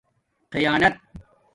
خیانَت